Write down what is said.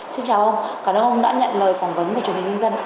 xin chào ông cảm ơn ông đã nhận lời phỏng vấn của truyền hình nhân dân